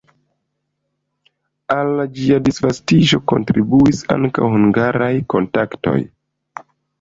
Al ĝia disvastiĝo kontribuis ankaŭ hungaraj kontaktoj.